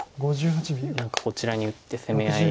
何かこちらに打って攻め合い。